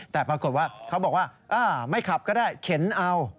แต่ปรากฏว่าเขาบอกว่าไม่ขับก็ได้เข็นเอา